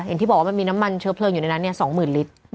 อย่างที่บอกว่ามันมีน้ำมันเชื้อเพลิงอยู่ในนั้น๒๐๐๐ลิตร